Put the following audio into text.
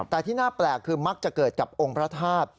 แต่ที่น่าแปลกคือมักจะเกิดกับองค์พระธาตุ